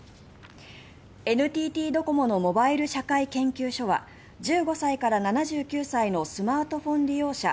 ＮＴＴドコモのモバイル社会研究所は１５歳から７９歳のスマートフォン利用者